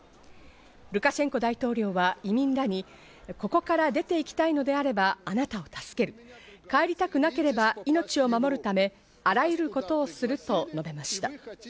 ルカシェンコ大統領は移民らに、ここから出て行きたいのであれば、あなたを助ける、帰りたくなければ命を守るため、あらゆることをすると述べました。